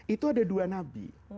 itu ada dua nabi